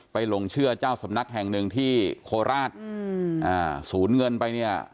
หลงเชื่อเจ้าสำนักแห่งหนึ่งที่โคราชอืมอ่าศูนย์เงินไปเนี่ย